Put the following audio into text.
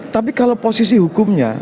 tapi kalau posisi hukumnya